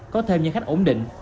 có thêm những khách ổn định